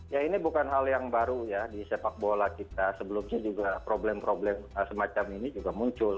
ya ini bukan hal yang baru ya di sepak bola kita sebelumnya juga problem problem semacam ini juga muncul